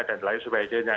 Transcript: dan lain sebagainya